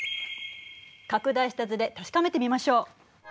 拡大した図で確かめてみましょう。